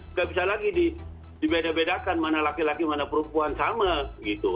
nggak bisa lagi dibeda bedakan mana laki laki mana perempuan sama gitu